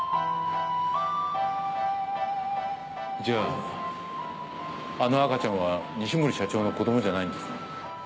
じゃああの赤ちゃんは西森社長の子供じゃないんですね？